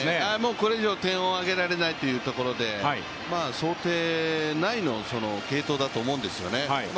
これ以上、点を上げられないというところで想定内の継投だと思うんですよね。